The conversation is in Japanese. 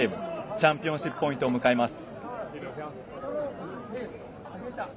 チャンピオンシップポイントを迎えます。